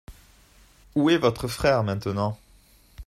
Où est votre frère maintenant ?